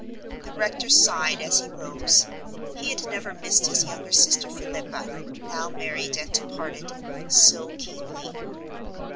The rector sighed as he rose. He had never missed his younger sister Philippa, now married and departed, so keenly.